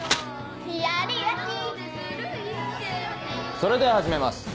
それでは始めます。